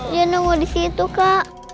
jangan nunggu disitu kak